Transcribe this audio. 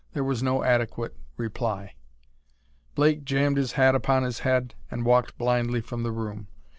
There was no adequate reply. Blake jammed his hat upon his head and walked blindly from the room.